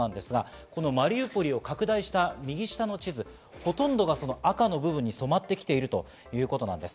このマリウポリを拡大した右下の地図、ほとんどが赤の部分に染まってきているということなんです。